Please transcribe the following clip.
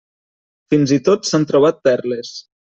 Fins i tot s’han trobat perles.